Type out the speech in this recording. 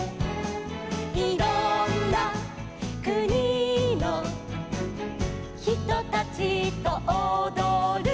「いろんなくにのひとたちとおどる」